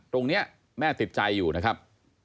ตรงนี้แม่ติดใจอยู่นะครับ